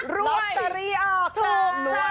ล็อตเตอรี่ออกจ๊ะ